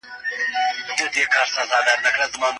د مېګرین لومړنۍ نښې ستوني خارښت دی.